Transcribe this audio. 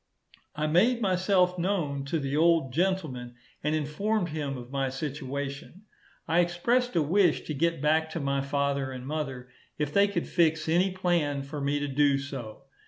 I made myself known to the old gentleman, and informed him of my situation; I expressed a wish to get back to my father and mother, if they could fix any plan for me to do so.